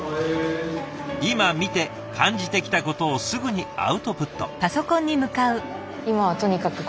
今見て感じてきたことをすぐにアウトプット。